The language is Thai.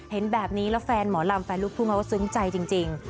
เห็นแบบนี้แล้วแฟนหมอลำแฟนลูกทุ่งเขาก็ซึ้งใจจริง